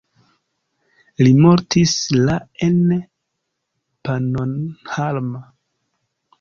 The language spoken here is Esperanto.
Li mortis la en Pannonhalma.